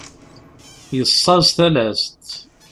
Yessaẓ talast.